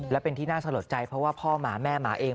และเป็นที่น่าสลดใจเพราะว่าพ่อหมาแม่หมาเอง